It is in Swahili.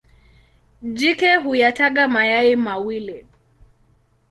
Jike huyataga mayai mawili.